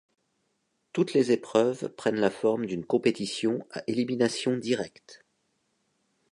Toutes les épreuves prennent la forme d'une compétition à élimination directe.